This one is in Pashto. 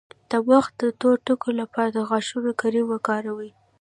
د مخ د تور ټکو لپاره د غاښونو کریم وکاروئ